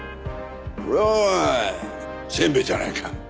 それはせんべいじゃないか。